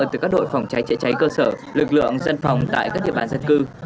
từ các đội phòng cháy chữa cháy cơ sở lực lượng dân phòng tại các địa bàn dân cư